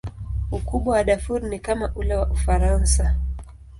Ukubwa wa Darfur ni kama ule wa Ufaransa.